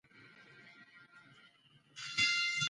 ازادي راډیو د کرهنه په اړه د روغتیایي اغېزو خبره کړې.